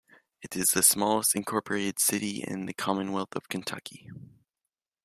It is the smallest incorporated city in the commonwealth of Kentucky.